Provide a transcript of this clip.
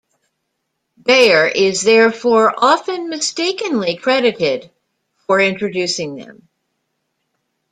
Bayer is therefore often mistakenly credited for introducing them.